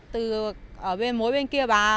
từ mối bên kia bán